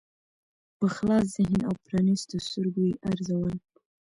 په خلاص ذهن او پرانیستو سترګو یې ارزول.